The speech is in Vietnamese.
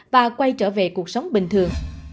và quay trở về cuộc sống bình thường